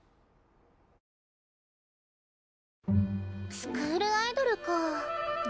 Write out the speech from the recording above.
スクールアイドルかあ。